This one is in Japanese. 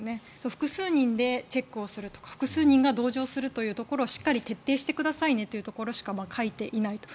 複数人でチェックをするとか複数人が同乗するというところをしっかり徹底してくださいねというところしか書いていないと。